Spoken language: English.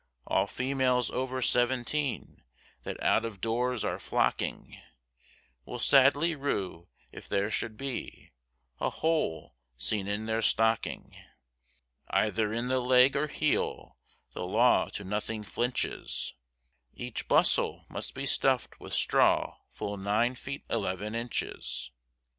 All females over seventeen, that out of doors are flocking, Will sadly rue if there should be, a hole seen in their stocking, Either in the leg or heel, the law to nothing flinches, Each bustle must be stuffed with straw full nine feet eleven inches.